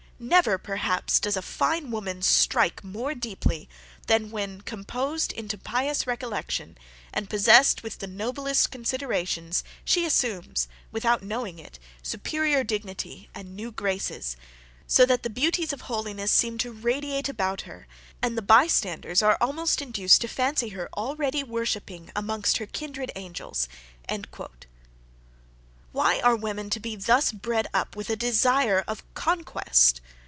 "Never, perhaps, does a fine woman strike more deeply, than when, composed into pious recollection, and possessed with the noblest considerations, she assumes, without knowing it, superiour dignity and new graces; so that the beauties of holiness seem to radiate about her, and the by standers are almost induced to fancy her already worshipping amongst her kindred angels!" Why are women to be thus bred up with a desire of conquest?